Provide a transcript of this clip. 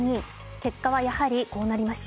結果はやはり、こうなりました。